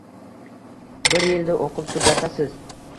bir yilda o‘qib tugatasiz.